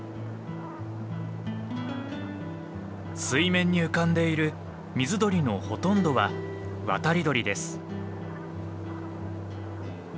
水面に浮かんでいる水鳥のほとんどは渡り鳥です。